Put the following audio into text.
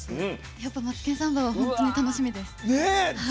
やっぱり「マツケンサンバ」はやっぱり楽しみです。